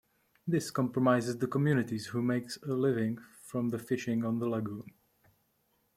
This compromises the communities who makes a living from the fishing on the lagoon.